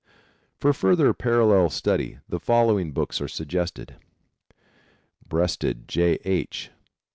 For further parallel study the following books are suggested: Breasted, J. H.